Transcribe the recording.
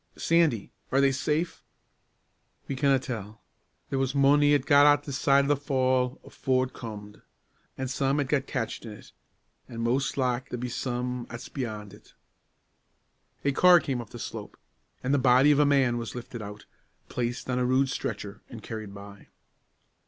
"Sandy are they safe?" "We canna tell. There was mony 'at got this side o' the fall afoor it comed; an' some 'at got catched in it; an' mos' like there be some 'at's beyon' it." A car came up the slope, and the body of a man was lifted out, placed on a rude stretcher, and carried by.